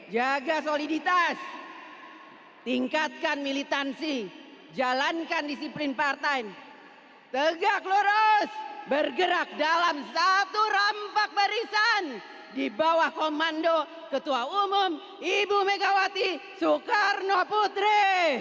jaga soliditas tingkatkan militansi jalankan disiplin partai tegak lurus bergerak dalam satu rampak barisan di bawah komando ketua umum ibu megawati soekarno putri